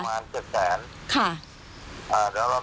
สวัสดีครับ